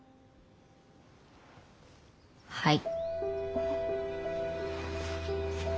はい。